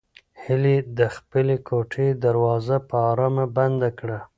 هیلې د خپلې کوټې دروازه په ارامه بنده کړه.